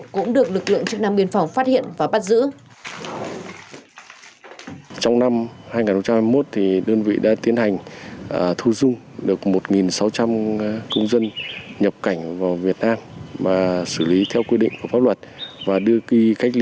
cũng được lực lượng chức năng biên phòng phát hiện và bắt giữ